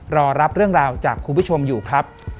รอรับเรื่องราวจากคุณผู้ชมอยู่ครับ